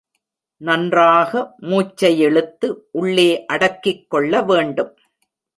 நன்றாக மூச்சையிழுத்து, உள்ளே அடக்கிக் கொள்ள வேண்டும்.